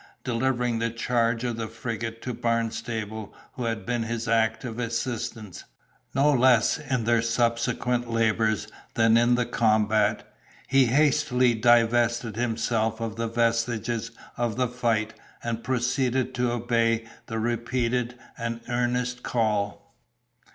Delivering the charge of the frigate to Barnstable, who had been his active assistant, no less in their subsequent labors than in the combat, he hastily divested himself of the vestiges of the fight, and proceeded to obey the repeated and earnest call.